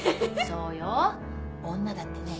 そうよ女だってね